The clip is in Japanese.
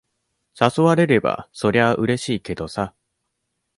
誘われれば、そりゃうれしいけどさ。